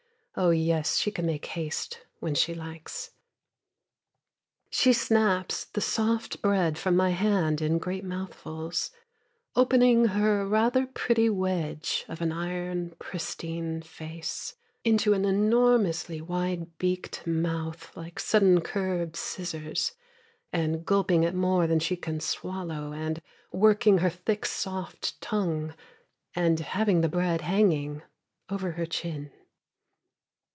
Oh yes, she can make haste when she likes. She snaps the soft bread from my hand in great mouthfuls, Opening her rather pretty wedge of an iron, pristine face Into an enormously wide beaked mouth Like sudden curved scissors, And gulping at more than she can swallow, and working her thick, soft tongue, And having the bread hanging over her chin.